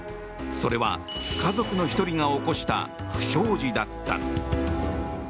それは、家族の１人が起こした不祥事だった。